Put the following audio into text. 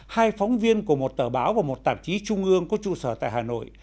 hai phóng viên của một tờ báo và một tạp chí trung ương có trụ sở tại hà nội